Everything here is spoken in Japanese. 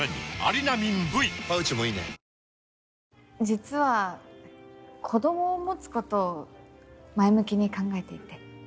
実は子供を持つことを前向きに考えていて。